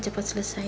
ya udah mama doain